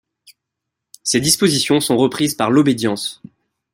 Ces dispositions sont reprises par l'obédience.